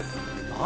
何？